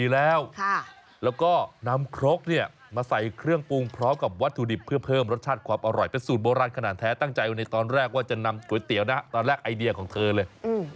แล้วก็นำครกเนี่ยมาใส่เครื่องปรุงพร้อมกับวัตถุดิบเพื่อเพิ่มรสชาติความอร่อยเป็นสูตรโบราณขนาดแท้ตั้งใจไว้ในตอนแรกว่าจะนำก๋วยเตี๋ยวนะตอนแรกไอเดียของเธอเลย